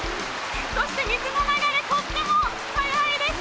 そして水の流れとっても速いです！